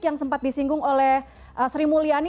yang sempat disinggung oleh sri mulyani